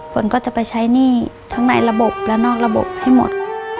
ฝนก็จะไปใช้หนี้ทั้งในระบบและนอกระบบให้หมด